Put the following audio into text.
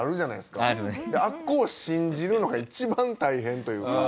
あそこを信じるのが一番大変というか。